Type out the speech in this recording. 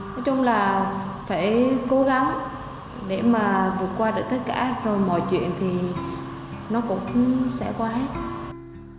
nói chung là phải cố gắng để mà vượt qua được tất cả rồi mọi chuyện thì nó cũng sẽ qua hết